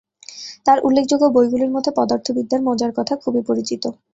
তার উল্লেখযোগ্য বই গুলির মধ্যে পদার্থবিদ্যার মজার কথা খুবই পরিচিত।